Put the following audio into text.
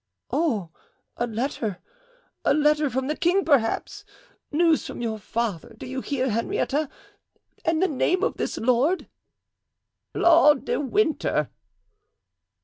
"Oh, a letter! a letter from the king, perhaps. News from your father, do you hear, Henrietta? And the name of this lord?" "Lord de Winter."